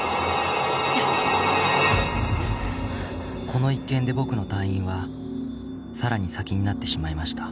［この一件で僕の退院はさらに先になってしまいました］